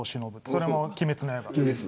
それも鬼滅の刃。